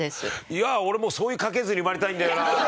いや俺もそういう家系図に生まれたいんだよな。